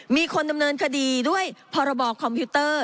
มีคนดำเนินคดีด้วยพรบคอมพิวเตอร์